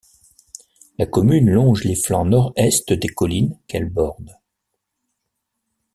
La commune longe les flancs nord-est des collines qu'elle borde.